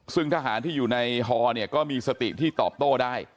ซึ่งทหารที่อยู่ในฮอเนี่ยก็มีสติที่ตอบโต้ได้